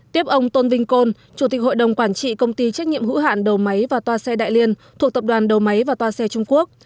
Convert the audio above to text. tiếp ông tôn vinh côn chủ tịch hội đồng quản trị công ty trách nhiệm hữu hạn đầu máy và toa xe đại liên thuộc tập đoàn đầu máy và toa xe trung quốc